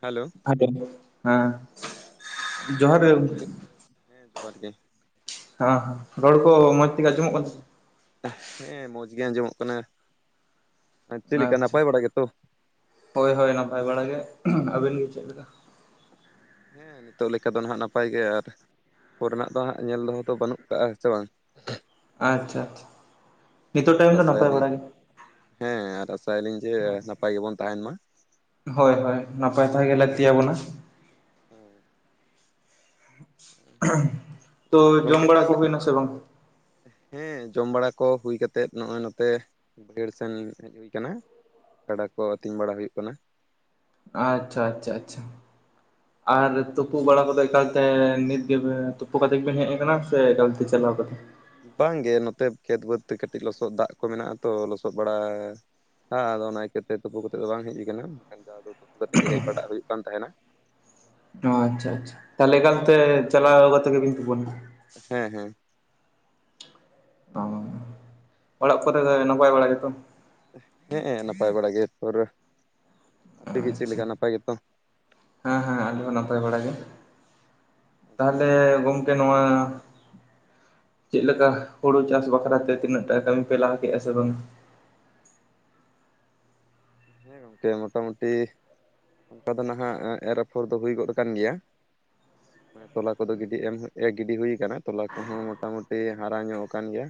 Hello. Hello ᱦᱮᱸ ᱡᱚᱦᱟᱨ ᱜᱮ᱾ ᱦᱮᱸ ᱜᱚᱝᱠᱮ ᱦᱮᱸ ᱡᱚᱦᱟᱨ ᱜᱮ᱾ ᱦᱮᱸ ᱦᱮᱸ ᱨᱚᱲ ᱠᱚ ᱢᱚᱡ ᱛᱮᱜᱮ ᱟᱡᱚᱢᱚᱜ ᱠᱟᱱ ᱥᱮ? ᱦᱮᱸ ᱢᱚᱡ ᱜᱮ ᱟᱸᱡᱚᱢᱚᱜ ᱠᱟᱱᱟ ᱟᱸ ᱪᱮᱫ ᱞᱮᱠᱟ ᱟᱪᱪᱷᱟ ᱱᱟᱯᱟᱭ ᱵᱟᱲᱟ ᱜᱮᱛᱚ? ᱦᱳᱭ ᱦᱳᱭ ᱱᱟᱯᱟᱭ ᱵᱟᱲᱟ ᱜᱮ ᱟᱵᱤᱱ ᱜᱮ ᱪᱮᱫ ᱞᱮᱠᱟ? ᱦᱮᱸ ᱱᱤᱛᱚᱜ ᱞᱮᱠᱟ ᱫᱚ ᱱᱟᱦᱟᱸᱜ ᱱᱟᱯᱟᱭ ᱜᱮ, ᱟᱨ ᱯᱚᱨᱮᱱᱟᱜ ᱫᱚ ᱦᱟᱸᱜ ᱧᱮᱞ ᱫᱚᱦᱛᱚ ᱫᱚ ᱵᱟᱹᱱᱩᱜ ᱠᱟᱜᱼᱟᱸ ᱥᱮ ᱵᱟᱝ? ᱟᱪᱪᱷᱟ ᱟᱪᱪᱷᱟ ᱱᱤᱛᱚᱜ ᱦᱮᱸ ᱴᱟᱭᱤᱢ ᱫᱚ ᱱᱟᱯᱟᱭ ᱟᱥᱟᱭᱟᱞᱤᱧ ᱵᱟᱲᱟ ᱜᱮ᱾ ᱦᱮᱸ ᱟᱨ ᱟᱥᱟᱭᱞᱤᱧ ᱡᱮ ᱱᱟᱯᱟᱭ ᱜᱮᱵᱚᱱ ᱛᱟᱦᱮᱸᱱ ᱢᱟ᱾ ᱦᱳᱭ ᱦᱳᱭ ᱱᱟᱯᱟᱭ ᱛᱟᱦᱮᱸ ᱜᱮ ᱞᱟᱹᱠᱛᱤᱭᱟ ᱵᱚᱱᱟ᱾ ᱦᱮᱸ᱾ ᱛᱚ ᱦᱮᱸ ᱡᱚᱢ ᱜᱚᱝᱠᱮ ᱵᱟᱲᱟ ᱠᱚ ᱛᱟᱦᱚᱞᱮ ᱦᱩᱭᱱᱟ ᱥᱮ ᱵᱟᱝ? ᱦᱮᱸ ᱡᱚᱢ ᱵᱟᱲᱟ ᱠᱚ ᱦᱩᱭ ᱠᱟᱛᱮᱜ ᱱᱚᱸᱜᱼᱚᱭ ᱱᱚᱛᱮ ᱵᱟᱹᱭᱦᱟᱹᱲ ᱥᱮᱱ ᱦᱮᱡ ᱦᱩᱭ ᱠᱟᱱᱟ᱾ ᱜᱟᱰᱟ ᱠᱚ ᱟᱹᱛᱤᱧ ᱵᱟᱲᱟ ᱦᱩᱭᱩᱜ ᱠᱟᱱᱟ᱾ ᱟᱪᱪᱷᱟ ᱟᱪᱪᱷᱟ ᱟᱪᱪᱷᱟ᱾ ᱟᱨ ᱛᱩᱯᱩ ᱵᱟᱲᱟ ᱠᱚᱫᱚ ᱮᱠᱟᱞᱛᱮ ᱱᱤᱛ ᱜᱮ ᱛᱩᱯᱩ ᱠᱟᱛᱮ ᱜᱮᱵᱤᱱ ᱦᱮᱡ ᱟᱠᱟᱱᱟ ᱥᱮ ᱮᱠᱟᱞᱛᱮ ᱪᱟᱞᱟᱣ ᱠᱟᱛᱮ ᱟᱪᱪᱮ ᱵᱟᱝᱜᱮ ᱱᱚᱛᱮ ᱠᱷᱮᱛ ᱵᱟᱹᱫ ᱛᱮ ᱠᱟᱹᱴᱤᱡ ᱞᱚᱥᱚᱫ ᱫᱟᱜ ᱠᱚ ᱢᱮᱱᱟᱜᱼᱟ ᱛᱚ ᱞᱚᱥᱚᱫ ᱵᱟᱲᱟ ᱦᱮᱸ ᱟᱫᱚ ᱚᱱᱟ ᱤᱭᱠᱟᱹᱛᱮ ᱛᱩᱯᱩ ᱠᱟᱛᱮᱫ ᱫᱚ ᱵᱟᱝ ᱦᱮᱡ ᱠᱟᱱᱟ ᱢᱮᱱᱠᱷᱟᱱ ᱫᱚ ᱟᱫᱚ ᱛᱩᱯᱩ ᱠᱟᱛᱮᱜ ᱜᱮ ᱦᱮᱡ ᱵᱟᱲᱟᱜ ᱦᱩᱭᱩᱜ ᱠᱟᱱ ᱛᱟᱦᱮᱸᱱᱟ, ᱚ ᱟᱪᱪᱷᱟ ᱟᱪᱪᱷᱟ, ᱛᱟᱦᱚᱞᱮ ᱮᱠᱟᱞᱛᱮ ᱪᱟᱞᱟᱣ ᱠᱟᱛᱮ ᱜᱮᱵᱤᱱ ᱛᱩᱯᱳᱱᱟ? ᱦᱮᱸ ᱦᱮᱸ ᱚ ᱚᱲᱟᱜ ᱠᱚᱨᱮ ᱫᱚ ᱱᱟᱯᱟᱭ ᱵᱟᱲᱟ ᱜᱮᱛᱚ? ᱦᱮ ᱮᱸ ᱱᱟᱯᱟᱭ ᱵᱟᱲᱟ ᱜᱮ ᱛᱚᱨ ᱟᱯᱮ ᱜᱮ ᱪᱮᱫ ᱟᱪᱪᱷᱟ ᱞᱮᱠᱟ ᱱᱟᱯᱟᱭ ᱜᱮᱛᱚ? ᱦᱮᱸ ᱦᱮᱸ ᱟᱞᱮ ᱦᱚᱸ ᱱᱟᱯᱟᱭ ᱵᱟᱲᱟ ᱜᱮ, ᱟᱪᱪᱷᱟ ᱛᱟᱦᱚᱞᱮ ᱟᱪᱪᱷᱟ ᱜᱚᱝᱠᱮ ᱱᱚᱣᱟ ᱪᱮᱫ ᱞᱮᱠᱟ ᱦᱳᱲᱳ ᱪᱟᱥ ᱵᱟᱠᱷᱨᱟᱛᱮ ᱛᱤᱱᱟᱹᱜ ᱴᱟ ᱠᱟᱹᱢᱤ ᱯᱮ ᱞᱟᱦᱟ ᱠᱮᱫᱟ ᱥᱮ ᱵᱟᱝ? ᱦᱮᱸ ᱜᱚᱢᱠᱮ ᱢᱚᱴᱟᱢᱩᱴᱤ ᱚᱱᱠᱟ ᱫᱚ ᱱᱟᱦᱟᱜ ᱮ ᱨᱚᱯᱷᱚᱲ ᱫᱚ ᱦᱩᱭ ᱜᱚᱫ ᱟᱠᱟᱱ ᱜᱮᱭᱟ᱾ ᱛᱚᱞᱟ ᱠᱚᱫᱚ ᱜᱤᱰᱤ ᱮᱢ ᱮ ᱜᱤᱰᱤ ᱦᱩᱭ ᱠᱟᱱᱟ ᱛᱚᱞᱟ ᱠᱚᱦᱚᱸ ᱢᱚᱴᱟᱢᱩᱴᱤ ᱦᱟᱨᱟ ᱧᱚᱜ ᱟᱠᱟᱱ ᱜᱮᱭᱟ᱾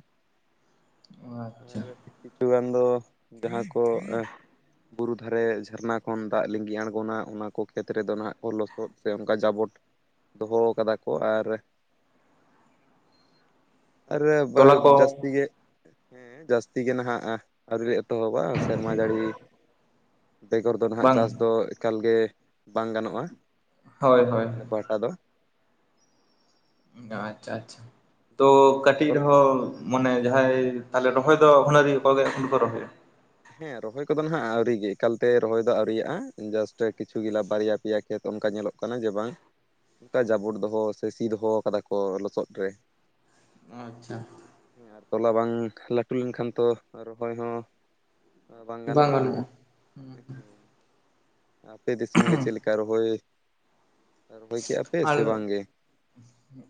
ᱟᱪᱪᱷᱟ ᱟᱨ ᱠᱤᱪᱷᱩ ᱜᱟᱱ ᱫᱚ ᱡᱟᱸᱦᱟᱸ ᱠᱚ᱾ ᱵᱩᱨᱩ ᱫᱷᱟᱨᱮ ᱡᱷᱟᱨᱱᱟ ᱠᱷᱚᱱ ᱫᱟᱜ ᱞᱤᱸᱜᱤ ᱟᱬᱜᱚᱱᱟ ᱚᱱᱟ ᱠᱚ ᱠᱷᱮᱛ ᱨᱮᱫᱚ ᱱᱟᱦᱟᱜ ᱠᱚ ᱞᱚᱥᱚᱫ ᱥᱮ ᱚᱱᱠᱟ ᱡᱟᱵᱚᱴ, ᱫᱚᱦᱚ ᱠᱟᱫᱟ ᱠᱚ ᱟᱨ [inaudible] ᱟᱨ ᱛᱚᱞᱟ ᱠᱚ ᱡᱟᱹᱥᱛᱤ ᱜᱮ ᱦᱮᱸ ᱡᱟᱹᱥᱛᱤ ᱜᱮ ᱱᱟᱦᱟᱜ ᱟᱹᱣᱨᱤ ᱮᱛᱚᱦᱚᱵᱟ ᱥᱮᱨᱢᱟ ᱡᱟᱹᱲᱤ ᱵᱮᱜᱚᱨ ᱫᱚ ᱱᱟᱦᱟᱜ ᱵᱟᱝ ᱪᱟᱥ ᱫᱚ ᱮᱠᱟᱞ ᱜᱮ ᱵᱟᱝ ᱜᱟᱱᱚᱜᱼᱟ ᱦᱳᱭ ᱦᱳᱭ ᱟᱞᱮ ᱯᱟᱦᱴᱟ ᱫᱚ᱾ ᱟᱪᱪᱷᱟ ᱟᱪᱪᱷᱟ ᱛᱚ ᱟᱨ ᱠᱟᱹᱴᱤᱡ ᱛᱚᱞᱟ ᱨᱮᱦᱚᱸ ᱢᱚᱱᱮ ᱡᱟᱸᱦᱟᱸᱭ ᱛᱟᱦᱚᱞᱮ ᱨᱚᱦᱚᱭ ᱫᱚ ᱚᱱᱟ ᱱᱤᱭᱟᱹ ᱠᱚᱜᱮ ᱠᱚ ᱨᱚᱦᱚᱭᱟ᱾ ᱦᱮᱸ ᱨᱚᱦᱚᱭ ᱠᱚᱫᱚ ᱱᱟᱦᱟᱜ ᱟᱹᱣᱨᱤ ᱜᱮ ᱮᱠᱟᱞᱛᱮ ᱨᱚᱦᱚᱭ ᱫᱚ ᱟᱹᱣᱨᱤᱭᱟᱜᱼᱟ ᱡᱟᱥᱴ ᱠᱤᱪᱷᱩ ᱜᱮᱞᱟ ᱵᱟᱨᱭᱟ ᱯᱮᱭᱟ ᱠᱷᱮᱛ ᱚᱱᱠᱟ ᱧᱮᱞᱚᱜ ᱠᱟᱱᱟ ᱡᱮ ᱵᱟᱝ ᱚᱱᱠᱟ ᱡᱟᱵᱚᱴ ᱫᱚᱦᱚ ᱥᱮ ᱥᱤ ᱫᱚᱦᱚ ᱠᱟᱫᱟ ᱠᱚ ᱞᱚᱥᱚᱫ ᱨᱮ᱾ ᱟᱪᱪᱷᱟ ᱟᱨ ᱛᱚᱞᱟ ᱵᱟᱝ ᱞᱟᱹᱴᱩ ᱞᱮᱱᱠᱷᱟᱱ ᱛᱚ ᱨᱚᱦᱚᱭ ᱦᱚᱸ ᱵᱟᱝ ᱜᱟᱱᱚᱜᱼᱟ ᱾ᱟᱯᱮ ᱫᱤᱥᱚᱢ ᱜᱮ ᱪᱮᱫ ᱞᱮᱠᱟ? ᱠᱟ ᱨᱚᱦᱚᱭ ᱨᱚᱦᱚᱭ ᱠᱮᱫᱟ ᱯᱮ ᱟᱨ ᱥᱮ ᱵᱟᱝ ᱜᱮ?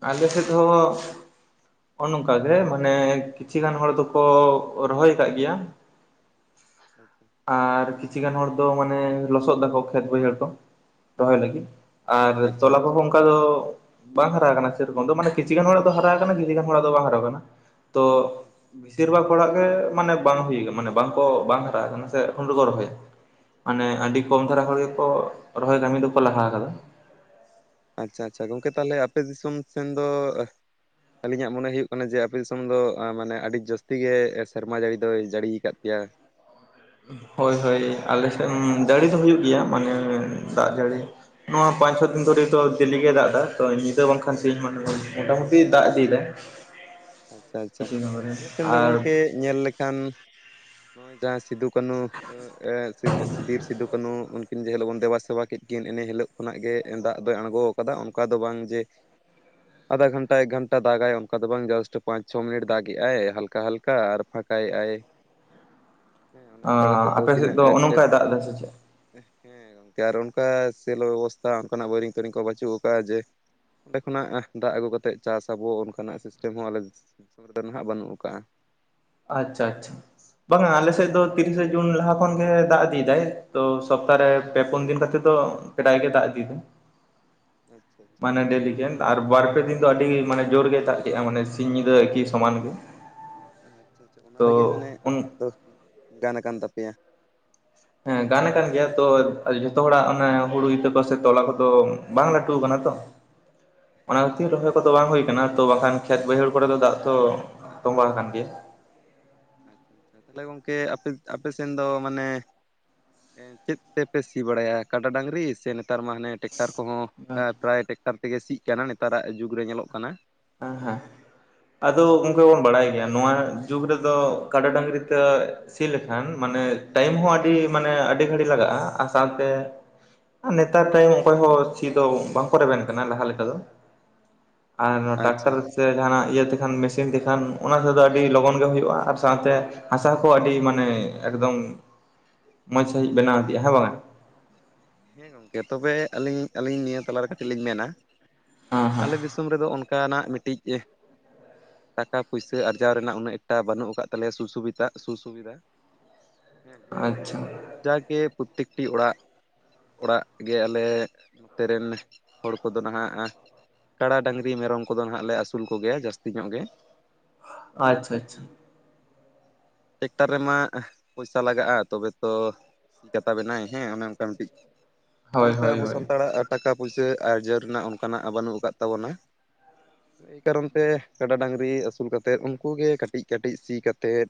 ᱟᱞᱮ ᱥᱮᱛ ᱦᱚ ᱚᱱ ᱚᱱᱠᱟ ᱜᱮ ᱢᱟᱱᱮ ᱠᱤᱪᱷᱤ ᱜᱟᱱ ᱦᱚᱲ ᱫᱚᱠᱚ ᱨᱚᱦᱚᱭ ᱟᱠᱟᱜ ᱜᱮᱭᱟ᱾ [inaudible] ᱟᱨ ᱠᱤᱪᱷᱤ ᱜᱟᱱ ᱦᱚᱲ ᱫᱚ ᱢᱟᱱᱮ ᱞᱚᱥᱚᱫ ᱫᱟᱠᱚ ᱠᱷᱮᱛ ᱵᱟᱹᱭᱦᱟᱹᱲ ᱠᱚ ᱨᱚᱦᱚᱭ ᱞᱟᱹᱜᱤᱫ᱾ ᱟᱨ ᱟᱪᱪᱷᱟ ᱛᱚᱞᱟ ᱟᱪᱪᱷᱟ ᱠᱚᱦᱚᱸ ᱚᱱᱠᱟ ᱫᱚ ᱵᱟᱝ ᱦᱟᱨᱟ ᱟᱠᱟᱱᱟ ᱥᱮᱨᱚᱠᱚᱢ ᱫᱚ ᱢᱟᱱᱮ ᱠᱤᱪᱷᱤ ᱜᱟᱱ ᱦᱚᱲᱟᱜ ᱫᱚ ᱦᱟᱨᱟ ᱟᱠᱟᱱᱟ ᱜᱮ ᱟᱹᱰᱤ ᱜᱟᱱ ᱦᱚᱲᱟᱜ ᱫᱚ ᱵᱟᱝ ᱦᱟᱨᱟᱣ ᱠᱟᱱᱟ, ᱛᱚ ᱟᱪᱪᱷᱟ ᱵᱮᱥᱤᱨ ᱵᱷᱟᱜ ᱦᱚᱲᱟᱜ ᱜᱮ ᱢᱟᱱᱮ ᱵᱟᱝ ᱦᱩᱭ ᱠᱟᱱᱟ ᱢᱟᱱᱮ ᱵᱟᱝᱠᱚ ᱵᱟᱝ ᱦᱟᱨᱟ ᱠᱟᱱᱟ ᱥᱮ ᱮᱠᱷᱚᱱᱚ ᱟᱹᱣᱨᱤ ᱠᱩ ᱨᱚᱦᱚᱭᱟ ᱢᱟᱱᱮ ᱟᱪᱪᱷᱟ ᱟᱹᱰᱤ ᱠᱚ ᱦᱚᱨᱟ ᱦᱚᱲ ᱜᱮᱠᱚ ᱨᱚᱦᱚᱭ ᱠᱟᱹᱢᱤ ᱫᱚᱠᱚ ᱞᱟᱦᱟ ᱟᱠᱟᱫᱟ᱾ ᱟᱪᱷᱟ ᱟᱪᱷᱟ ᱜᱚᱝᱠᱮ ᱛᱟᱦᱚᱞᱮ ᱟᱯᱮ ᱫᱤᱥᱚᱢ ᱥᱮᱱ ᱫᱚ ᱟᱹᱞᱤᱧᱟᱜ ᱢᱚᱱᱮ ᱦᱩᱭᱩᱜ ᱠᱟᱱᱟ ᱡᱮ ᱟᱯᱮ ᱫᱤᱥᱚᱢ ᱫᱚ ᱟ ᱢᱟᱱᱮ ᱟᱹᱰᱤ ᱡᱟᱹᱥᱛᱤ ᱜᱮ ᱥᱮᱨᱢᱟ ᱡᱟᱹᱲᱤ ᱫᱚᱭ ᱡᱟᱹᱲᱤ ᱟᱠᱟᱫ ᱯᱮᱭᱟ᱾ ᱦᱳᱭ ᱦᱳᱭ ᱟᱞᱮ ᱥᱮᱫ ᱡᱟᱹᱲᱤ ᱫᱚ ᱦᱩᱭᱩᱜ ᱜᱮᱭᱟ ᱢᱟᱱᱮ ᱫᱟᱜ ᱡᱟᱹᱲᱤ᱾ ᱱᱚᱣᱟ ᱯᱟᱸᱪ ᱪᱷᱚ ᱫᱤᱱ ᱫᱷᱚᱨᱤᱡ ᱫᱚ ᱫᱮᱞᱤ ᱜᱮ ᱫᱟᱜ ᱫᱟᱭ ᱛᱚ ᱧᱤᱫᱟᱹ ᱵᱟᱝᱠᱷᱟᱱ ᱥᱤᱧ [unintelligible] ᱢᱚᱴᱟᱢᱩᱴᱤ ᱫᱟᱜ ᱤᱫᱤᱭᱮᱫᱟᱭ᱾ ᱟᱪᱪᱷᱟ ᱟᱪᱪᱷᱟ ᱟᱞᱮ ᱥᱮᱱ [unintelligible] ᱫᱚ ᱟᱨ ᱜᱚᱝᱠᱮ ᱧᱮᱞ ᱞᱮᱠᱷᱟᱱ ᱱᱚᱜᱼᱚᱭ ᱡᱟᱸᱦᱟᱸ ᱥᱤᱫᱩ ᱠᱟᱹᱱᱩ ᱟ, ᱮ ᱥᱤᱫ ᱵᱤᱨ ᱥᱤᱫᱩ ᱠᱟᱹᱱᱩ ᱩᱱᱠᱤᱱ ᱡᱮ ᱦᱤᱞᱳᱜ ᱵᱚᱱ ᱫᱮᱵᱟ ᱥᱮᱵᱟ ᱠᱮᱫ ᱠᱤᱱ ᱮᱱ ᱦᱤᱞᱳᱜ ᱠᱷᱚᱱᱟᱜ ᱜᱮ ᱫᱟᱜ ᱫᱚᱭ ᱟᱬᱜᱚ ᱟᱠᱟᱫᱟ ᱚᱱᱠᱟ ᱫᱚ ᱵᱟᱝ ᱡᱮ ᱟᱫᱷᱟ ᱜᱷᱚᱱᱴᱟ ᱮᱠ ᱜᱷᱚᱱᱴᱟ ᱫᱟᱜᱟᱭ ᱚᱱᱠᱟ ᱫᱚ ᱵᱟᱝ ᱡᱟᱥᱴ ᱯᱟᱸᱪ ᱪᱷᱚ ᱢᱤᱱᱤᱴ ᱫᱟᱜᱮᱭᱟᱭ ᱦᱟᱞᱠᱟ ᱦᱟᱞᱠᱟ ᱟᱨ ᱯᱷᱟᱸᱠᱟ ᱮᱜᱟᱭ᱾ ᱟᱸ ᱟᱯᱮ ᱥᱮᱫ ᱛᱤᱱᱟᱹᱜ ᱫᱚ ᱠᱷᱮᱛ ᱚᱱᱮ ᱚᱱᱠᱟᱭ ᱫᱟᱜ ᱮᱫᱟ ᱥᱮ ᱪᱮᱫ? ᱦᱮᱸ ᱜᱚᱝᱠᱮ ᱟᱨ ᱚᱱᱠᱟ ᱥᱮᱞᱚ ᱵᱮᱵᱚᱥᱛᱷᱟ ᱚᱱᱠᱟᱱᱟᱜ ᱵᱳᱨᱤᱝ ᱛᱚᱨᱤᱝ ᱠᱚ ᱵᱟᱹᱱᱩᱜ ᱟᱠᱟᱫᱟ ᱡᱮ ᱚᱸᱰᱮ ᱠᱷᱚᱱᱟᱜ ᱫᱟᱜ ᱟᱹᱜᱩ ᱠᱟᱛᱮᱫ ᱪᱟᱥ ᱟᱹᱵᱩ ᱚᱱᱠᱟᱱᱟᱜ ᱥᱤᱥᱴᱮᱢ ᱦᱚᱸ ᱟᱞᱮ ᱫᱤᱥᱚᱢ ᱨᱮᱫᱚ ᱱᱟᱦᱟᱜ ᱵᱟᱹᱱᱩᱜ ᱠᱟᱜᱼᱟ᱾ ᱟᱪᱷᱟ ᱟᱪᱷᱟ ᱵᱟᱝᱟ ᱟᱞᱮᱥᱮᱫ ᱫᱚ ᱛᱤᱨᱤᱥᱮ ᱡᱩᱱ ᱞᱟᱦᱟ ᱠᱷᱚᱱ ᱜᱮ ᱫᱟᱜ ᱤᱫᱤᱭᱮᱫᱟᱭ ᱛᱚ ᱥᱚᱯᱛᱟ ᱨᱮ ᱯᱮ ᱯᱩᱱ ᱫᱤᱱ ᱠᱟᱛᱮ ᱛᱚ ᱠᱟᱡᱟᱠ ᱜᱮ ᱫᱟᱜ ᱤᱫᱤᱭ ᱫᱟ ᱟᱪᱪᱷᱟ ᱟᱪᱪᱷᱟ᱾ ᱢᱟᱱᱮ ᱰᱮᱞᱤ ᱜᱮᱼᱼ ᱟᱨ ᱵᱟᱨ ᱯᱮ ᱫᱤᱱ ᱫᱚ ᱟᱹᱰᱤ ᱢᱟᱱᱮ ᱡᱳᱨ ᱜᱮ ᱫᱟᱜ ᱠᱮᱫᱼᱟ ᱢᱟᱱᱮ ᱥᱤᱧ ᱧᱤᱫᱟᱹ ᱮᱠᱤ ᱥᱚᱢᱟᱱᱼᱼ ᱟᱪᱷᱟ ᱟᱪᱷᱟ ᱚᱱᱟ ᱛᱮᱜᱮ ᱢᱟᱱᱮ ᱦᱮᱸ ᱟᱯᱮᱭᱟᱜ ᱫᱚ ᱜᱟᱱ ᱟᱠᱟᱱ ᱛᱟᱯᱮᱭᱟ᱾ ᱦᱮᱸ ᱜᱟᱱ ᱟᱠᱟᱱ ᱜᱮᱭᱟ ᱛᱚ ᱡᱚᱛᱚ ᱦᱚᱲᱟᱜ ᱚᱱᱟ ᱦᱩᱲᱩ ᱤᱛᱟᱹ ᱠᱚ ᱥᱮ ᱛᱚᱞᱟ ᱠᱚᱫᱚ ᱵᱟᱝ ᱞᱟᱹᱴᱩ ᱠᱟᱱᱟ ᱛᱚᱼᱼ ᱚᱱᱟ ᱦᱮᱸ ᱠᱷᱟᱹᱛᱤᱨ ᱨᱚᱦᱚᱭᱼᱼ ᱠᱚᱫᱚ ᱵᱟᱝ ᱦᱩᱭ ᱠᱟᱱᱟ ᱛᱚ ᱵᱟᱝᱠᱷᱟᱱ ᱠᱷᱮᱛ ᱵᱟᱹᱭᱦᱟᱹᱲ ᱠᱚᱨᱮ ᱫᱚ ᱫᱟᱜ ᱛᱚ ᱛᱚᱸᱵᱷᱟᱣ ᱟᱠᱟᱱ ᱜᱮᱭᱟ᱾ ᱟᱪᱪᱷᱟ ᱛᱟᱦᱚᱞᱮ ᱜᱚᱝᱠᱮ ᱟᱯᱮ ᱟᱯᱮ ᱥᱮᱱ ᱫᱚ ᱢᱟᱱᱮᱼᱼ ᱪᱮᱫ ᱛᱮᱯᱮ ᱥᱤ ᱵᱟᱲᱟᱭᱟ ᱠᱟᱰᱟ ᱰᱟᱹᱝᱨᱤ ᱥᱮ ᱱᱮᱛᱟᱨ ᱢᱟ ᱦᱟᱱᱮᱼᱼ ᱴᱮᱠᱴᱟᱨ ᱠᱚᱦᱚᱸ ᱟ ᱯᱨᱟᱭ ᱴᱮᱠᱴᱟᱨ ᱛᱮᱜᱮ ᱥᱤᱜ ᱠᱟᱱᱟ ᱱᱮᱛᱟᱨᱟᱜ ᱡᱩᱜᱽ ᱨᱮ ᱧᱮᱞᱚᱜ ᱠᱟᱱᱟ᱾ ᱮᱸ ᱦᱮᱸ ᱟᱫᱚ ᱜᱚᱝᱠᱮ ᱵᱚᱱ ᱵᱟᱰᱟᱭ ᱜᱮᱭᱟ ᱱᱚᱣᱟ ᱡᱩᱜᱽ ᱨᱮᱫᱚ ᱠᱟᱰᱟ ᱰᱟᱹᱝᱨᱤ ᱛᱮᱼᱼ ᱥᱤ ᱞᱮᱠᱷᱟᱱ ᱢᱟᱱᱮ ᱴᱟᱭᱤᱢ ᱦᱚᱸ ᱟᱹᱰᱤ ᱢᱟᱱᱮ ᱟᱹᱰᱤ ᱜᱷᱟᱹᱲᱤᱡ ᱞᱟᱜᱟᱜᱼᱟ ᱟᱨ ᱥᱟᱶᱛᱮ ᱟᱨ ᱱᱮᱛᱟᱨ ᱴᱟᱭᱤᱢ ᱚᱠᱚᱭ ᱦᱚᱸ ᱥᱤ ᱫᱚ ᱵᱟᱝᱠᱚ ᱨᱮᱵᱮᱱ ᱠᱟᱱᱟ ᱞᱟᱦᱟ ᱞᱮᱠᱟ ᱫᱚᱼᱼ ᱟᱨ ᱱᱚᱣᱟ ᱟᱪᱪᱷᱟ ᱴᱟᱠᱴᱟᱨ ᱫᱚ ᱟᱪᱪᱷᱟ ᱥᱮᱼᱼ ᱡᱟᱦᱟᱱᱟᱜ ᱤᱭᱟᱹ ᱛᱮᱠᱷᱟᱱ ᱢᱮᱥᱤᱱ ᱛᱮᱠᱷᱟᱱ ᱚᱱᱟ ᱛᱮᱫᱚ ᱟᱹᱰᱤ ᱞᱚᱜᱚᱱ ᱜᱮ ᱦᱩᱭᱩᱜᱼᱟ ᱟᱨ ᱥᱟᱶᱛᱮᱼᱼ ᱦᱟᱥᱟ ᱠᱚ ᱟᱹᱰᱤ ᱢᱟᱱᱮ ᱮᱠᱫᱚᱢ ᱢᱚᱸᱡᱽ ᱥᱟᱹᱦᱤᱡ ᱵᱮᱱᱟᱣ ᱤᱫᱤᱜᱼᱟ ᱦᱮᱸ ᱵᱟᱝᱼᱟᱼᱼ ᱦᱮᱸ ᱛᱚᱵᱮ ᱟᱹᱞᱤᱧ ᱟᱹᱞᱤᱧ ᱱᱤᱭᱟᱹ ᱛᱟᱞᱟᱨᱮ ᱠᱟᱹᱴᱤᱡ ᱞᱤᱧ ᱢᱮᱱᱟ ᱦᱮᱸ ᱦᱮᱸ ᱟᱞᱮ ᱫᱤᱥᱼᱼ ᱫᱤᱥᱚᱢ ᱨᱮᱫᱚ ᱚᱱᱠᱟᱱᱟᱜ ᱢᱤᱫᱴᱤᱡᱼᱼ ᱴᱟᱠᱟ ᱯᱩᱭᱥᱟᱹ ᱟᱨᱡᱟᱣ ᱨᱮᱱᱟᱜ ᱩᱱᱟᱹᱜ ᱮᱠᱴᱟ ᱵᱟᱹᱱᱩᱜ ᱟᱠᱟᱫ ᱛᱟᱞᱮᱭᱟ ᱥᱩ ᱥᱩᱵᱤᱛᱟ ᱥᱩ ᱥᱩᱵᱤᱫᱷᱟ᱾ ᱦᱮᱸ ᱟᱪᱷᱟ ᱡᱟᱜᱮ ᱯᱨᱩᱛᱤᱠᱴᱤ ᱚᱲᱟᱜᱼᱼ ᱚᱲᱟᱜ ᱜᱮ ᱟᱞᱮ ᱱᱚᱛᱮ ᱨᱮᱱ ᱦᱚᱲ ᱠᱚᱫᱚ ᱱᱟᱦᱟᱜᱼᱼ ᱠᱟᱲᱟ, ᱰᱟᱹᱝᱨᱤ, ᱢᱮᱨᱚᱢ ᱠᱚᱫᱚ ᱱᱟᱦᱟᱸᱜ ᱞᱮ ᱟᱹᱥᱩᱞ ᱠᱚᱜᱮᱭᱟ ᱡᱟᱹᱥᱛᱤ ᱧᱚᱜ ᱜᱮᱼᱼ ᱟᱪᱷᱟ ᱟᱪᱷᱟ ᱴᱮᱠᱴᱟᱨ ᱨᱮᱢᱟ ᱟᱺ ᱯᱚᱭᱥᱟ ᱞᱟᱜᱟᱜᱼᱟ ᱛᱚᱵᱮ ᱛᱚᱼᱼ ᱥᱤ ᱠᱟᱛᱟ ᱵᱮᱱᱟᱭ ᱦᱮᱸ ᱚᱱᱮ ᱚᱱᱠᱟ ᱢᱤᱫᱴᱤᱡᱼᱼ ᱦᱳᱭ ᱚᱱᱠᱟ ᱦᱳᱭ ᱟᱵᱚ ᱦᱳᱭ ᱥᱟᱱᱛᱟᱲᱟᱜ ᱴᱟᱠᱟ ᱯᱩᱭᱥᱟᱹ ᱟᱨᱡᱟᱣ ᱨᱮᱱᱟᱜ ᱚᱱᱠᱟᱱᱟᱜ ᱵᱟᱹᱱᱩᱜ ᱟᱠᱟᱜ ᱛᱟᱵᱚᱱᱟ᱾ ᱮᱭ ᱠᱟᱨᱚᱱ ᱛᱮ ᱠᱟᱰᱟ ᱰᱟᱹᱝᱨᱤ ᱟᱹᱥᱩᱞ ᱠᱟᱛᱮᱫ ᱩᱱᱠᱩ ᱜᱮ ᱠᱟᱹᱴᱤᱡ ᱠᱟᱹᱴᱤᱡ ᱥᱤ ᱠᱟᱛᱮᱫ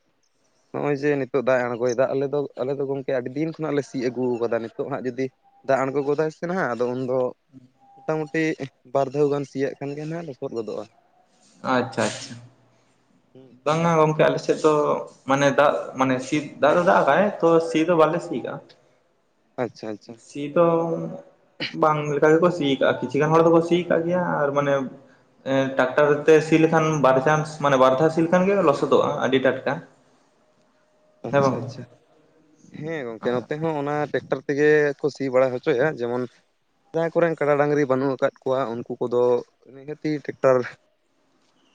ᱱᱚᱜᱼᱚᱭ ᱡᱮ ᱱᱤᱛᱚᱜ ᱫᱟᱜ ᱮ ᱟᱬᱜᱚᱭᱮᱫᱟ ᱟᱞᱮ ᱫᱚ ᱟᱞᱮ ᱫᱚ ᱜᱚᱝᱠᱮ ᱟᱹᱰᱤ ᱫᱤᱱ ᱠᱷᱚᱱᱟᱜ ᱞᱮ ᱥᱤᱫ ᱟᱹᱜᱩ ᱠᱟᱫᱟ ᱱᱤᱛᱚᱜ ᱦᱟᱸᱜ ᱡᱩᱫᱤᱼᱼ ᱫᱟᱜ ᱟᱬᱜᱚ ᱜᱚᱫᱟᱭ ᱥᱮ ᱱᱟᱦᱟᱜ ᱟᱫᱚ ᱩᱱᱫᱚ ᱢᱚᱴᱟᱢᱩᱴᱤᱼᱼ ᱵᱟᱨ ᱫᱷᱟᱣ ᱜᱟᱱ ᱥᱤᱭᱟᱹᱜ ᱠᱷᱟᱱ ᱜᱮ ᱱᱟᱜ ᱞᱚᱥᱚᱫ ᱜᱚᱫᱚᱜᱼᱟ᱾ ᱟᱪᱪᱷᱟ ᱟᱪᱪᱷᱟ ᱦᱩᱸ ᱵᱟᱝᱟ ᱜᱚᱢᱠᱮ ᱟᱞ ᱥᱮᱫ ᱫᱚᱼᱼ ᱢᱟᱱᱮ ᱫᱟᱜ ᱢᱟᱱᱮ ᱥᱤ ᱫᱟ ᱫᱟᱜᱟᱭ ᱛᱚ ᱥᱤ ᱫᱚ ᱵᱟᱞᱮ ᱥᱤᱠᱟ᱾ ᱟᱪᱷᱟ ᱟᱪᱷᱟ ᱥᱤ ᱫᱚ ᱵᱟᱝ ᱞᱮᱠᱟ ᱜᱮᱠᱚ ᱥᱤ ᱠᱟᱜᱼᱟ ᱠᱤᱪᱷᱩ ᱜᱟᱱ ᱦᱚᱲ ᱫᱚᱠᱚ ᱥᱤ ᱠᱟᱜ ᱜᱮᱭᱟ ᱟᱨ ᱢᱟᱱᱮᱼᱼ ᱴᱟᱠᱴᱟᱨ ᱛᱮ ᱥᱤ ᱞᱮᱠᱷᱟᱱ ᱵᱟᱭᱪᱟᱱᱥ ᱢᱟᱱᱮ ᱵᱟᱨ ᱫᱷᱟᱣ ᱥᱤ ᱞᱮᱠᱷᱟᱱ ᱜᱮ ᱞᱚᱥᱚᱫᱚᱜᱼᱟ ᱟᱹᱰᱤ ᱴᱟᱴᱠᱟ᱾ ᱟᱨ ᱟᱪᱷᱟ ᱟᱪᱷᱟ ᱦᱮᱸ ᱜᱚᱝᱠᱮ ᱱᱚᱛᱮ ᱦᱚᱸ ᱚᱱᱟ ᱴᱨᱟᱠᱴᱟᱨ ᱛᱮᱜᱮ ᱠᱚ ᱥᱤ ᱵᱟᱲᱟ ᱦᱚᱪᱚᱭᱟ ᱡᱮᱢᱚᱱᱼᱼ ᱡᱟᱦᱟᱸᱭ ᱠᱚᱨᱮᱱ ᱠᱟᱰᱟ ᱰᱟᱹᱝᱨᱤ ᱵᱟᱹᱱᱩᱜ ᱟᱠᱟᱫ ᱠᱚᱣᱟ ᱩᱱᱠᱩ ᱠᱚᱫᱚ ᱱᱤᱦᱟᱹᱛᱤ ᱴᱮᱠᱴᱟᱨ,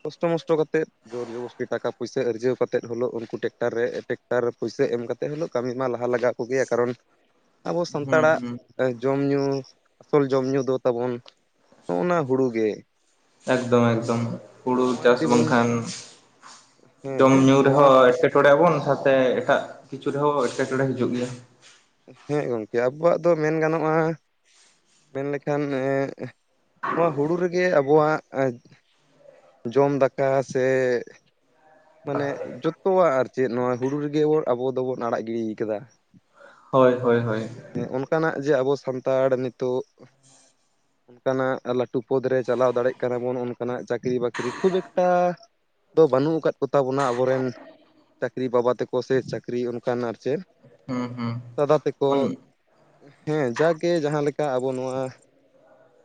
ᱠᱚᱥᱴᱚ ᱢᱚᱥᱴᱚ ᱠᱟᱛᱮ ᱡᱨ ᱡᱚᱵᱚᱥᱴᱤ ᱴᱟᱠᱟ ᱯᱚᱭᱥᱟᱹ ᱟᱹ ᱟᱨᱡᱟᱹᱣ ᱠᱟ ᱠᱟᱛᱮᱫ ᱦᱜ ᱩᱱᱠᱩ ᱴᱮᱨᱟᱠᱴᱟᱨ ᱨᱮᱼᱼ ᱴᱮᱠᱴᱟᱨ ᱨᱮ ᱯᱩᱭᱥᱟᱹ ᱮᱢ ᱠᱟᱛᱮᱫ ᱦᱤᱞᱳᱜ ᱠᱟᱹᱢᱤ ᱢᱟ ᱞᱟᱦᱟ ᱞᱟᱜᱟᱣ ᱠᱚᱜᱮᱭᱟ ᱠᱟᱨᱚᱱ ᱟᱵᱚ ᱦᱩᱸ ᱥᱟᱱᱛᱟᱲᱟᱜ ᱦᱩᱸ ᱡᱚᱢ ᱧᱩ ᱟᱥᱚᱞ ᱡᱚᱢ ᱧᱩ ᱫᱚ ᱛᱟᱵᱚᱱ ᱱᱚᱜᱚ ᱱᱟ ᱦᱩᱲᱩ ᱜᱮ᱾ ᱮᱠᱫᱚᱢ ᱮᱠᱫᱚᱢ ᱦᱮᱸ ᱦᱩᱲᱩ ᱱᱚᱣᱟ ᱪᱟᱥ ᱡᱩᱫᱤ ᱵᱚᱱ ᱵᱟᱝᱠᱷᱟᱱ ᱡᱚᱢ ᱦᱮᱸ ᱧᱩ ᱱᱚᱣᱟ ᱨᱮᱦᱚᱸ ᱮᱴᱠ ᱴᱚᱬᱮ ᱟᱵᱚᱱ ᱥᱟᱶᱛᱮ ᱮᱴᱟᱜ ᱠᱤᱪᱷᱩ ᱨᱮᱦᱚᱸ ᱮᱴᱠᱮᱴᱚᱬᱮ ᱦᱤᱡᱩᱜ ᱜᱮᱭᱟ᱾ ᱦᱮᱸᱜ ᱜᱚᱝᱠᱮ ᱟᱵᱚᱣᱟᱜ ᱫᱚ ᱢᱮᱱ ᱜᱟᱱᱚᱜ-ᱟ ᱢᱮᱱ ᱞᱮᱠᱷᱟᱱ ᱱᱚᱣᱟ ᱦᱩᱲᱩ ᱨᱮᱜᱮ ᱟᱵᱚᱣᱟᱜ ᱡᱚᱢ ᱫᱟᱠᱟ ᱥᱮ ᱢᱟᱱᱮ ᱡᱚᱛᱚᱣᱟᱜ ᱟᱨ ᱪᱮᱫ ᱱᱚᱣᱟ ᱦᱩᱲᱩ ᱨᱮᱜᱮ ᱵᱚᱱ ᱟᱵᱚ ᱫᱚᱵᱚᱱ ᱟᱲᱟᱜ ᱜᱤᱲᱤᱭ ᱠᱟᱫᱟ᱾ ᱦᱳᱭ ᱦᱳᱭ ᱦᱳᱭ ᱚᱱᱠᱟᱱᱟᱜ ᱡᱮ ᱟᱵᱚ ᱥᱟᱱᱛᱟᱲ ᱱᱤᱛᱚᱜ [inaudible] ᱚᱱᱠᱟᱱᱟᱜ ᱞᱟᱹᱴᱩ ᱯᱚᱫᱨᱮ ᱪᱟᱞᱟᱣ ᱫᱟᱲᱮᱜ ᱠᱟᱱᱟ ᱵᱚᱱ ᱚᱱᱠᱟᱱᱟᱜ ᱪᱟᱹᱠᱨᱤ ᱵᱟᱹᱠᱨᱤ ᱠᱷᱩᱵ ᱮᱠᱴᱟ ᱫᱚ ᱵᱟᱹᱱᱩᱜ ᱟᱠᱟᱫ ᱠᱚᱛᱟᱵᱚᱱᱟ ᱟᱵᱚᱨᱮᱱ ᱪᱟᱹᱠᱨᱤ ᱵᱟᱵᱟ ᱛᱮᱠᱚ ᱥᱮ ᱪᱟᱹᱠᱨᱤ ᱚᱱᱠᱟᱱ ᱟᱨ ᱪᱮᱫ ᱦᱩᱸ ᱫᱟᱫᱟ ᱛᱮᱠᱚ ᱦᱩᱸ ᱦᱮᱸ ᱡᱟᱜᱮ ᱡᱟᱦᱟᱸᱞᱮᱠᱟ ᱟᱵᱚ ᱱᱚᱣᱟ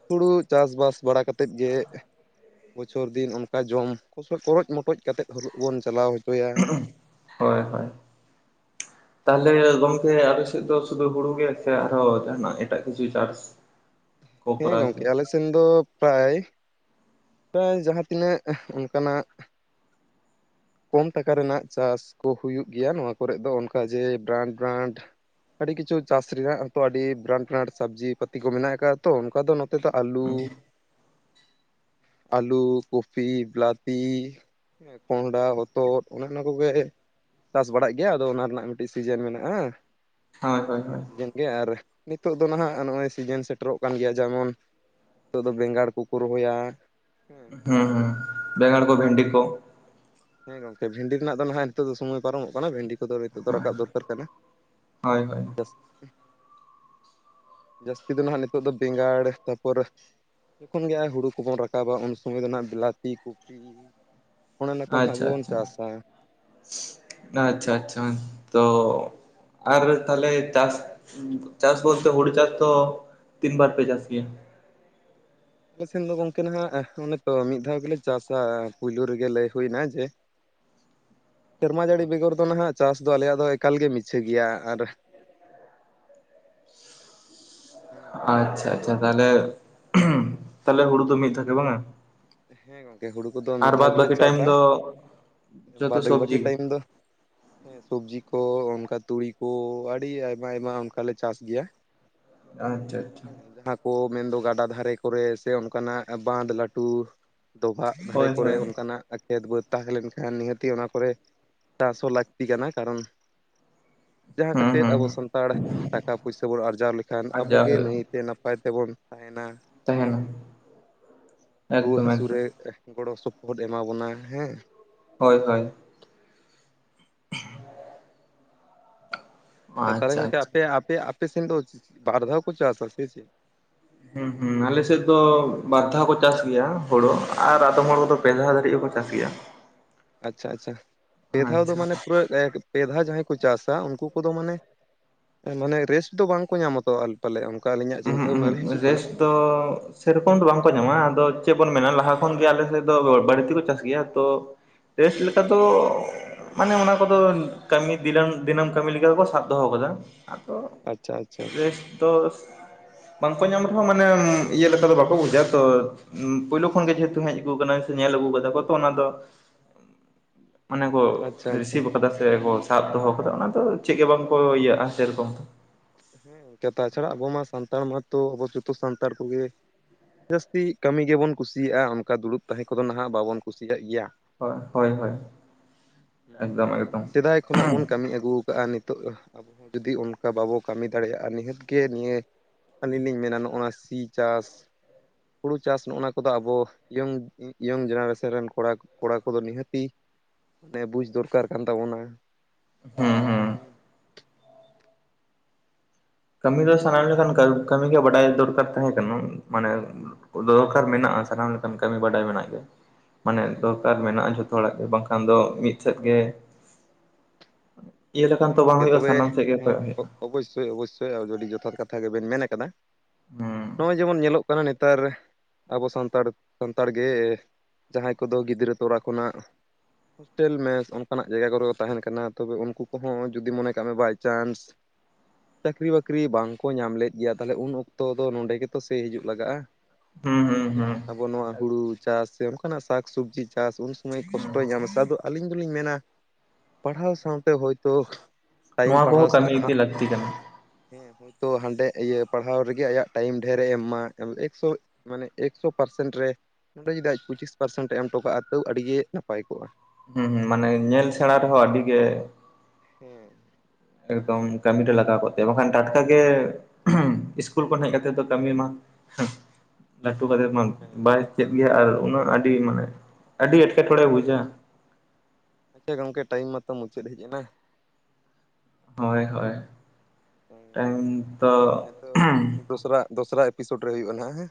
ᱦᱩᱲᱩ ᱪᱟᱥᱵᱟᱥ ᱵᱟᱲᱟ ᱠᱟᱛᱮᱫ ᱜᱮ ᱵᱚᱪᱷᱚᱨ ᱫᱤᱱ ᱚᱱᱠᱟ ᱡᱚᱢ ᱠᱚᱥᱚ ᱠᱚᱨᱪ ᱢᱚᱴᱚᱡ ᱠᱟᱛᱮᱫ ᱦᱳᱞᱳ ᱵᱚᱱ ᱪᱟᱞᱟᱣ ᱦᱚᱪᱚᱭᱟ᱾ ᱦᱳᱭ ᱦᱳᱭ ᱛᱟᱦᱞᱮ ᱜᱚᱢᱠᱮ ᱟᱯᱮ ᱥᱮᱫ ᱫᱚ ᱥᱩᱫᱷᱩ ᱦᱩᱲᱩ ᱜᱮ ᱥᱮ ᱟᱨᱦᱚ ᱡᱟᱦᱟᱱᱟᱜ ᱮᱴᱟᱜ ᱠᱤᱪᱷᱩ ᱪᱟᱥ [inaudible] ᱦᱮᱸ ᱠᱚᱨᱟᱣ ᱜᱚᱝᱠᱮ ᱜᱮᱭᱟ ᱟᱞᱮ ᱥᱮᱱ ᱫᱚ ᱯᱨᱟᱭ ᱯᱨᱟᱭ ᱡᱟᱦᱟᱸ ᱛᱤᱱᱟᱹᱜ ᱚᱱᱠᱟᱱᱟᱜ [inaudible] ᱠᱚᱢ ᱴᱟᱠᱟ ᱨᱮᱱᱟᱜ ᱪᱟᱥ ᱠᱚ ᱦᱩᱭᱩᱜ ᱜᱮᱭᱟ ᱱᱚᱣᱟ ᱠᱚᱨᱮᱫ ᱫᱚ ᱚᱱᱠᱟ ᱡᱮ ᱵᱨᱟᱱᱰ ᱵᱨᱟᱱᱰ ᱟᱹᱰᱤ ᱠᱤᱪᱷᱩ ᱪᱟᱥ ᱨᱮᱱᱟᱜᱚ ᱟᱹᱰᱤ ᱵᱨᱟᱱᱰ ᱵᱨᱟᱱᱰ ᱥᱟᱹᱵᱽᱡᱤ ᱯᱟᱹᱛᱤ ᱠᱚ ᱢᱮᱱᱟᱜ ᱟᱠᱟᱜ-ᱟ ᱛᱚ ᱚᱱᱠᱟ ᱫᱚ ᱱᱚ ᱛᱮ ᱫᱚ ᱟᱞᱩ ᱟᱹᱞᱩ, ᱠᱩᱯᱷ, ᱵᱞᱟᱛᱤ, ᱠᱚᱸᱦᱰᱟ, ᱦᱚᱛᱫ ᱚᱱᱮ ᱚᱱᱟ ᱠᱚᱜᱮ ᱪᱟᱥ ᱵᱟᱲᱟᱜ ᱜᱮᱭᱟ ᱟᱫᱚ ᱚᱱᱟ ᱨᱮᱱᱟᱜ ᱢᱤᱴᱤᱡ ᱥᱤᱡᱮᱱ ᱢᱮᱱᱟᱜ-ᱟ ᱦᱳᱭ ᱦᱳᱭ ᱥᱤᱡᱮᱱ ᱦᱳᱭ ᱥᱤᱡᱮᱱ ᱜᱮ ᱟᱨ ᱱᱤᱛᱚᱜ ᱫᱚ ᱱᱟᱦᱟᱜ ᱱᱚᱜ-ᱚᱭ ᱥᱤᱡᱮᱱ ᱥᱮᱴᱮᱨᱚᱜ ᱠᱟᱱ ᱜᱮᱭᱟ ᱡᱮᱢᱚᱱ ᱛᱳᱜ ᱫᱚ ᱵᱮᱸᱜᱟᱲ ᱠᱚᱠᱚ ᱨᱚᱦᱚᱭᱟ ᱦᱮᱸ ᱩᱸ ᱵᱮᱸᱜᱟᱲ ᱠᱚ, ᱵᱷᱮᱱᱰᱤ ᱠᱚ ᱦᱮᱸ ᱜᱚᱝᱠᱮ ᱵᱷᱤᱱᱰᱤ ᱨᱮᱱᱟᱜ ᱫᱚ ᱱᱟᱦᱟᱜ ᱱᱤᱛᱚᱜ ᱫᱚ ᱥᱩᱢᱚᱭ ᱯᱟᱨᱚᱢᱚᱜ ᱠᱟᱱᱟ ᱵᱷᱤᱱᱰᱤ ᱠᱚᱫᱚ ᱱᱤᱛᱚᱜ ᱫᱚ ᱨᱟᱠᱟᱵ ᱦᱳᱭ ᱫᱚᱨᱠᱟᱨ ᱠᱟᱱᱟ᱾ ᱦᱳᱭ ᱫᱚᱥ [inaudible] ᱡᱟᱹᱥᱛᱤ ᱫᱚ ᱱᱦᱟᱜ ᱱᱤᱛᱚᱜ ᱫᱚ ᱵᱮᱸᱜᱟᱲ ᱛᱟᱯᱚᱨ ᱡᱚᱠᱷᱚᱱ ᱜᱮ ᱟ ᱦᱩᱲᱩ ᱠᱚᱵᱚᱱ ᱨᱟᱠᱟᱵᱟ ᱩᱱ ᱥᱩᱢᱚᱭ ᱫᱚ ᱱᱟᱜ ᱵᱮᱞᱟᱛᱤ, ᱠᱩᱯᱤ ᱚᱱᱮ ᱱᱟ ᱟᱪᱷᱟ ᱟᱪᱷᱟ ᱟᱪᱷᱟ ᱟᱪᱷᱟ ᱛᱚ ᱟᱨ ᱛᱟᱦᱞᱮ ᱪᱟᱥ ᱪᱟᱥ ᱵᱟᱥ ᱛᱚ ᱦᱩᱲᱩ ᱪᱟᱥ ᱫᱚ ᱛᱤᱱ ᱵᱟᱨ ᱯᱮ ᱪᱟᱥ ᱜᱮᱭᱟ? ᱟᱞᱮ ᱥᱮᱱ ᱫᱚ ᱜᱚᱝᱠᱮ ᱱᱟᱦᱟᱜ ᱚᱱᱮ ᱛᱚ ᱢᱤᱫ ᱫᱷᱟᱣ ᱜᱮᱞᱮ ᱪᱟᱥᱟ ᱯᱩᱭᱞᱩ ᱨᱮᱜᱮ ᱞᱟᱹᱭ ᱦᱩᱭᱱᱟ ᱡᱮ [inaudible] ᱥᱮᱨᱢᱟ ᱡᱟᱹᱲᱤ ᱵᱮᱜᱚᱨ ᱫᱚ ᱱᱟᱦᱟᱜ ᱪᱟᱥ ᱫᱚ ᱟᱞᱮᱭᱟᱜ ᱫᱚ ᱮᱠᱟᱞ ᱜᱮ ᱢᱤᱪᱷᱟᱹ ᱜᱮᱭᱟ, ᱟᱨ ᱟᱪᱪᱷᱟ ᱟᱪᱪᱷᱟ ᱛᱟᱦᱞᱮ ᱩᱦᱩᱸ ᱛᱟᱦᱞᱮ ᱦᱩᱲᱩ ᱫᱚ ᱢᱤᱫ ᱛᱷᱟᱠᱮ ᱵᱟᱝᱟ ᱦᱮᱸ ᱜᱚᱝᱠᱮ ᱦᱩᱲᱩ ᱠᱚᱫᱚ ᱢᱤᱫ ᱟᱨ ᱫᱷᱟᱣ ᱵᱟᱫ ᱜᱮᱞᱮ ᱵᱟᱹᱠᱤ ᱴᱟᱭᱤᱢ ᱪᱟᱥᱟ᱾ ᱫᱚ ᱡᱚᱛᱚ ᱵᱟᱫ ᱜᱮ ᱵᱟᱹᱠᱤ ᱥᱚᱵᱽᱡᱤ ᱴᱟᱭᱤᱢ ᱫᱚ ᱦᱮᱸ ᱥᱚᱵᱽᱡᱤ ᱠᱚ ᱚᱱᱠᱟ ᱛᱩᱲᱤ ᱠᱚ ᱟᱹᱰᱤ ᱟᱭᱢᱟ ᱟᱭᱢᱟ ᱚᱱᱠᱟᱞᱮ ᱪᱟᱥ ᱜᱮᱭᱟ᱾ ᱟᱪᱪᱷᱟ ᱟᱪᱪᱷᱟ ᱡᱟᱦᱟᱸ ᱠᱚ ᱢᱮᱱᱫᱚ ᱜᱟᱰᱟ ᱫᱷᱟᱨᱮ ᱠᱚᱨᱮ ᱥᱮ ᱚᱱᱠᱟᱱᱟᱜ ᱵᱟᱸᱫᱽ ᱞᱟᱹᱴᱩ ᱰᱚᱵᱷᱟᱜ ᱫᱷᱟᱨᱮ ᱦᱳᱭ ᱠᱚᱨᱮ ᱦᱳᱭ ᱚᱱᱠᱟᱱᱟᱜ ᱠᱷᱮᱛ ᱵᱟᱹᱫᱽ ᱛᱟᱦᱮᱸ ᱞᱮᱱᱠᱷᱟᱱ ᱱᱤᱦᱟᱹᱛᱤ ᱚᱱᱟ ᱠᱚᱨᱮ ᱪᱟᱥ ᱦᱚᱸ ᱞᱟᱹᱠᱛᱤ ᱠᱟᱱᱟ ᱠᱟᱨᱚᱱ ᱡᱟᱦᱟᱸ ᱦᱩᱸ ᱠᱟᱛᱮᱫ ᱦᱩᱸ ᱟᱵᱚ ᱦᱩᱸ ᱥᱟᱱᱛᱟᱲ ᱴᱟᱠᱟ ᱯᱩᱭᱥᱟᱹ ᱵᱚᱱ ᱟᱨᱡᱟᱣ ᱞᱮᱠᱷᱟᱱ ᱟᱨᱡᱟᱣ ᱟᱵᱚᱜᱮ ᱱᱟ. ᱭᱛᱮ ᱱᱟᱯ ᱱᱟᱯᱟᱭ ᱛᱮᱵᱚᱱ ᱛᱟᱦᱮᱸᱱᱟ ᱾ ᱛᱟᱦᱮᱸᱱᱟ ᱾ ᱨᱩᱣᱟᱹ ᱦᱟ. ᱥᱩ ᱨᱮ ᱜᱚᱲᱚ ᱥᱚᱯᱚᱦᱚᱫ ᱮᱢᱟ ᱵᱚᱱᱟ ᱦᱮᱸ ᱦᱚᱭ ᱦᱚᱭ ᱾ ᱛᱟᱦᱚᱞᱮ ᱟᱪᱪᱷᱟ ᱜᱚᱝᱠᱮ ᱟᱪᱪᱷᱟ ᱟᱯᱮ ᱟᱯᱮ ᱥᱮᱱ ᱫᱚ ᱵᱟᱨ ᱫᱷᱟᱣ ᱠᱚ ᱪᱟᱥᱟ ᱥᱮ ᱪᱮ ᱾ ᱦᱩᱸ ᱦᱩᱸ ᱟᱞᱮᱥᱮᱫ ᱫᱚ ᱵᱟᱨ ᱫᱷᱟᱣ ᱠᱚ ᱪᱟᱥ ᱜᱮᱭᱟ ᱦᱩᱲᱩ ᱟᱨ ᱟᱫᱚᱢ ᱦᱚᱲ ᱠᱚᱫᱚ ᱯᱮ ᱫᱷᱟᱣ ᱫᱷᱟᱹᱨᱤᱡ ᱦᱚᱸᱠᱚ ᱪᱟᱥ ᱜᱮᱭᱟ ᱾ ᱟᱪᱪᱷᱟ ᱟᱪᱪᱷᱟ ᱱᱤᱭᱟ. ᱫᱷᱟᱣ ᱫᱚ ᱟᱪᱪᱷᱟ ᱢᱟᱱᱮ ᱯᱩᱨᱟᱹ ᱯᱮ ᱫᱷᱟᱣ ᱡᱟᱦᱟᱸᱭ ᱠᱚ ᱪᱟᱥᱟ ᱩᱱᱠᱩ ᱠᱚᱫᱚ ᱢᱟᱱᱮ ᱢᱟᱱᱮ ᱨᱮᱥᱴ ᱫᱚ ᱵᱟᱝ ᱠᱚ ᱧᱟᱢᱟ ᱛᱚ ᱟᱨ ᱯᱟᱞᱮᱫ ᱚᱱᱠᱟ ᱟᱹᱞᱤᱧᱟᱜ ᱪᱤᱱᱛᱟᱹ ᱵᱷᱟᱵᱱᱟ ᱨᱮ ᱨᱮ ᱦᱤᱡᱩᱜ ᱠᱟᱱᱟ ᱾ ᱛᱚ ᱥᱮᱨᱚᱠᱚᱢ ᱫᱚ ᱵᱟᱝᱠᱚ ᱧᱟᱢᱟ ᱟᱫᱚ ᱪᱮᱫ ᱵᱚᱱ ᱢᱮᱱᱟ ᱞᱟᱦᱟ ᱠᱷᱚᱱᱜᱮ ᱟᱞᱮ ᱥᱮᱫ ᱫᱚ ᱵᱟᱹᱲᱛᱤᱠᱚ ᱪᱟᱥ ᱜᱮᱭᱟ ᱛᱚ ᱨᱮᱥᱴ ᱞᱮᱠᱟ ᱫᱚ ᱢᱟᱱᱮ ᱚᱱᱟ ᱠᱚᱫᱚ ᱠᱟᱹᱢᱤ ᱫᱤᱱᱟᱹᱢ ᱫᱤᱱᱟᱹᱢ ᱠᱟᱹᱢᱤ ᱞᱮᱠᱟ ᱜᱮᱠᱚ ᱥᱟᱵ ᱫᱚᱦᱚ ᱠᱟᱫᱟ ᱾ ᱟᱫᱚ ᱟᱪᱪᱷᱟ ᱟᱪᱪᱷᱟ ᱟᱪᱪᱷᱟ ᱨᱮᱥᱴ ᱫᱚ ᱵᱟᱝᱠᱚ ᱧᱟᱢ ᱨᱮᱦᱚᱸ ᱢᱟᱱᱮ ᱤᱭᱟᱹ ᱞᱮᱠᱟ ᱫᱚ ᱵᱟᱠᱚ ᱵᱩᱡᱟ ᱛᱚ ᱯᱩᱭᱞᱩ ᱠᱷᱚᱱ ᱜᱮ ᱡᱮᱦᱮᱛᱩ ᱦᱮᱡ ᱟᱹᱜᱩ ᱠᱟᱱᱟ ᱥᱮ ᱧᱮᱞ ᱟᱹᱜᱩ ᱠᱟᱫᱟ ᱠᱚ ᱛᱚ ᱚᱱᱟ ᱫᱚ ᱢᱟᱱᱮ ᱠᱚ ᱟᱪᱪᱷᱟ ᱟᱪᱪᱷᱟ ᱨᱤᱥᱤᱵᱷ ᱟᱠᱟᱫᱟ ᱥᱮ ᱠᱚ ᱥᱟᱵ ᱫᱚᱦᱚ ᱟᱠᱟᱫᱟ ᱚᱱᱟ ᱫᱚ ᱪᱮᱫ ᱜᱮ ᱵᱟᱝ ᱠᱚ ᱤᱭᱟᱹᱜ-ᱟ ᱥᱮᱨᱚᱠᱚᱢ ᱫᱚ ᱦᱮᱸ ᱛᱟ ᱪᱷᱟᱲᱟᱜ ᱟᱵᱚ ᱢᱟ ᱥᱟᱱᱛᱟᱲ ᱢᱟᱛᱚ ᱟᱵᱚ ᱡᱚᱛᱚ ᱥᱟᱱᱛᱟᱲ ᱠᱚᱜᱮ ᱡᱟᱹᱥᱛᱤ ᱠᱟᱹᱢᱤ ᱜᱮᱵᱚᱱ ᱠᱩᱥᱤᱭᱟᱜ-ᱟ ᱚᱱᱠᱟ ᱫᱩᱲᱩᱵ ᱛᱟᱦᱮᱸ ᱠᱚᱫᱚ ᱱᱟᱦᱟᱜ ᱵᱟᱵᱚᱱ ᱠᱩᱥᱤᱭᱟᱜ ᱜᱮᱭᱟ ᱦᱳᱭ ᱦᱳᱭ ᱦᱳᱭ ᱾ [inaudible] ᱦᱩᱸ ᱮᱠᱫᱚᱢ ᱮᱠᱫᱚᱢ ᱥᱮᱫᱟᱭ ᱠᱷᱚᱱᱟᱜ ᱵᱚᱱ ᱠᱟᱹᱢᱤ ᱟᱹᱜᱩ ᱟᱠᱟᱜᱼᱟ ᱱᱤᱛ ᱱᱤᱛᱚᱜ ᱟᱵᱚ ᱦᱚᱸ ᱡᱩᱫᱤ ᱚᱱᱠᱟ ᱵᱟᱵᱚ ᱠᱟᱹᱢᱤ ᱫᱟᱲᱮᱭᱟᱜ-ᱟ ᱱᱤᱦᱟᱹᱛ ᱜᱮ ᱱᱤᱭᱟᱹ ᱟᱹᱞᱤᱧ ᱞᱤᱧ ᱢᱮᱱᱟ ᱱᱚᱜ-ᱚᱭ ᱥᱤ ᱪᱟᱥ ᱦᱩᱲᱩ ᱪᱟᱥ ᱱᱚᱜᱼᱚ ᱱᱚᱣᱟ ᱠᱚᱫᱚ ᱟᱵᱚ ᱤᱭᱚᱝ ᱤᱭᱚᱝ ᱡᱱᱟᱨᱮᱥᱚᱱ ᱨᱮᱱ ᱠᱚᱲᱟ ᱠᱚᱲᱟ ᱠᱚᱫᱚ ᱱᱤᱦᱟᱹᱛᱤ ᱢᱟᱱᱮ ᱵᱩᱡᱽ ᱫᱚᱨᱠᱟᱨ ᱠᱟᱱ ᱛᱟᱵᱚᱱᱟ ᱾ ᱦᱩᱸ ᱦᱩᱸ ᱦᱩᱸ ᱠᱟᱹᱢᱤ ᱫᱚ ᱥᱟᱱᱟᱢ ᱞᱮᱠᱷᱟᱱ ᱠᱟᱹᱢᱤᱜᱮ ᱵᱟᱰᱟᱭ ᱫᱚᱨᱠᱟᱨ ᱛᱟᱦᱮᱸ ᱠᱟᱱᱟ ᱢᱟᱱᱮ ᱠᱚ ᱫᱚᱨᱠᱟᱨ ᱢᱮᱱᱟᱜ-ᱟ ᱥᱟᱱᱟᱢ ᱞᱮᱠᱟᱱ ᱠᱟᱹᱢᱤ ᱵᱟᱰᱟᱭ ᱢᱮᱱᱟᱜ ᱜᱮ ᱢᱟᱱᱮ ᱫᱚᱨᱠᱟᱨ ᱢᱮᱱᱟᱜ-ᱟ ᱡᱷᱚᱛᱚ ᱦᱚᱲᱟᱜ ᱜᱮ ᱵᱟᱝᱠᱷᱟᱱ ᱫᱚ ᱢᱤᱫ ᱥᱮᱫ ᱜᱮ [inaudible] ᱤᱭᱟᱹ ᱞᱮᱠᱷᱟᱱ ᱛᱚ ᱵᱟᱝ ᱦᱩᱭᱩᱜ-ᱟ ᱥᱟᱱᱟᱢ ᱥᱮᱫ ᱜᱮ ᱠᱚᱭᱚᱜ ᱦᱩᱭᱩᱜ-ᱟ ᱾ ᱚᱵᱚᱥᱥᱚᱭ ᱚᱵᱚᱥᱥᱚᱭ ᱟᱨ ᱟᱹᱰᱤ ᱡᱚᱛᱷᱟᱛ ᱠᱟᱛᱷᱟ ᱜᱮᱵᱮᱱ ᱢᱮᱱ ᱟᱠᱟᱫᱟ ᱦᱩᱸ ᱱᱚᱜ-ᱚᱭ ᱡᱮᱢᱚᱱ ᱧᱮᱞᱚᱜ ᱠᱟᱱᱟ ᱱᱮᱛᱟᱨ ᱟᱵᱚ ᱥᱟᱱᱛᱟᱲ ᱥᱟᱱᱛᱟᱲ ᱜᱮ ᱡᱟᱦᱟᱸᱭ ᱠᱚᱫᱚ ᱜᱤᱫᱽᱨᱟᱹ ᱛᱚᱨᱟ ᱠᱷᱚᱱᱟᱜ ᱦᱚᱥᱴᱮᱞ ᱢᱮᱥ ᱚᱱᱠᱟᱱᱟᱜ ᱡᱟᱭᱜᱟ ᱠᱚᱨᱮ ᱠᱚ ᱛᱟᱦᱮᱱ ᱠᱟᱱᱟ ᱛᱚᱵᱮ ᱩᱱᱠᱩ ᱠᱚᱦᱚᱸ ᱡᱩᱫᱤ ᱢᱚᱱᱮ ᱠᱟᱜ ᱢᱮ ᱵᱟᱭᱪᱟᱱᱥ ᱪᱟᱹᱠᱨᱤ ᱵᱟᱹᱠᱨᱤ ᱵᱟᱝᱠᱚ ᱧᱟᱢ ᱞᱮᱫ ᱜᱮᱭᱟ ᱛᱟᱦᱚᱞᱮ ᱩᱱ ᱚᱠᱛᱚ ᱫᱚ ᱱᱚᱸᱰᱮ ᱜᱮᱛᱚ ᱥᱮ ᱦᱤᱡᱩᱜ ᱞᱟᱜᱟᱜ-ᱟ ᱾ ᱦᱩᱸ ᱦᱩᱸ ᱦᱮᱸ ᱦᱩᱸ ᱟᱵᱚ ᱱᱚᱣᱟ ᱦᱩᱲᱩ ᱪᱟᱥ ᱥᱮ ᱚᱱᱠᱟᱱᱟᱜ ᱥᱟᱠᱼᱥᱚᱵᱽᱡᱤ ᱪᱟᱥ ᱩᱱ ᱥᱚᱢᱚᱭ ᱦᱩᱸ ᱠᱚᱥᱴᱚᱭ ᱧᱟᱢ ᱥᱮ ᱟᱫᱚ ᱟᱹᱞᱤᱧ ᱫᱚᱞᱤᱧ ᱢᱮᱱᱟ ᱯᱟᱲᱦᱟᱣ ᱥᱟᱶᱛᱮ ᱦᱳᱭ ᱛᱚ ᱴᱟᱭᱤᱢ ᱱᱚᱣᱟ ᱯᱟᱲᱦᱟᱣ ᱠᱚᱦᱚᱸ ᱥᱮᱱ ᱠᱟᱹᱢᱤ ᱤᱫᱤ ᱦᱟᱸᱜ ᱞᱟᱹᱠᱛᱤ ᱠᱟᱱᱟ ᱦᱮᱸ ᱦᱳᱭᱛᱳ ᱦᱟᱸᱰᱮ ᱤᱭᱟᱹ ᱯᱟᱲᱦᱟᱣ ᱨᱮᱜᱮ ᱟᱭᱟᱜ ᱴᱟᱭᱤᱢ ᱰᱷᱮᱨᱮ ᱮ ᱮᱢ ᱢᱟ ᱮᱠᱥᱚ ᱢᱟᱱᱮ ᱮᱠᱥᱚ ᱯᱟᱨᱥᱮᱱᱴ ᱨᱮ ᱱᱚᱸᱰᱮ ᱡᱩᱫᱤ ᱟᱡ ᱯᱚᱸᱪᱤᱥ ᱯᱟᱨᱥᱮᱱᱴ ᱨᱮ ᱮᱢ ᱦᱚᱴᱚ ᱠᱟᱜᱼᱟ ᱛᱟᱹᱣ ᱟᱹᱰᱤᱜᱮ ᱱᱟᱯᱟᱭ ᱠᱚᱜᱼᱟ᱾ ᱦᱩᱸ ᱦᱩᱸ ᱢᱟᱱᱮ ᱧᱮᱞ ᱥᱮᱬᱟ ᱨᱮᱦᱚᱸ ᱟᱹᱰᱤ ᱜᱮ ᱦᱮᱸ ᱮᱠᱫᱚᱢ ᱠᱟᱹᱢ ᱨᱮ ᱞᱟᱜᱟᱣ ᱠᱚᱜᱛᱮ ᱵᱟᱠᱷᱟᱱ ᱴᱟᱴᱠᱟᱜ ᱜᱮ ᱥᱠᱩᱞ ᱠᱷᱚᱱ ᱦᱮᱡ ᱠᱟᱛᱮᱮᱫ ᱫᱚ ᱠᱟᱹᱢᱤ ᱢᱟ ᱞᱟᱹᱴᱩ ᱠᱟᱫ ᱢᱟᱱ ᱦᱮᱸ ᱵᱟᱭ ᱪᱮᱫ ᱜᱮᱭᱟ ᱟᱨ ᱩᱱᱟᱹᱜ ᱟᱹᱰᱤ ᱢᱟᱱᱮ ᱟᱹᱰᱤ ᱮᱴᱠᱮᱴᱚᱬᱮ ᱵᱩᱡᱟ᱾ ᱟᱪᱪᱷᱟ ᱜᱚᱝᱠᱮ ᱴᱟᱭᱤᱢ ᱢᱟᱛᱚ ᱢᱩᱪᱟᱹᱫ ᱦᱮᱡ ᱮᱱᱟ᱾ ᱦᱳᱭ ᱦᱳᱭ ᱴᱟᱭᱤᱢ ᱛᱚ ᱦᱮᱸᱛᱚ ᱫᱚᱥᱨᱟ ᱫᱚᱥᱨᱟ ᱮᱯᱤᱥᱳᱰ ᱨᱮ ᱦᱩᱭᱩᱜᱼᱟ ᱱᱟᱟᱜ ᱦᱮᱸ᱾